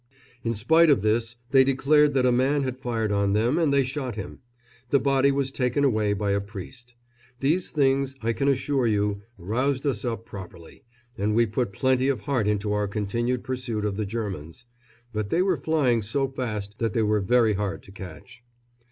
In spite of this they declared that a man had fired on them, and they shot him. The body was taken away by a priest. These things, I can assure you, roused us up properly, and we put plenty of heart into our continued pursuit of the Germans; but they were flying so fast that they were very hard to catch.